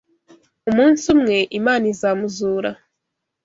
Umunsi umwe, Imana izamuzura